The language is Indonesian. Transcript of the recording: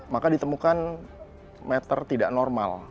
maka ditemukan meter tidak normal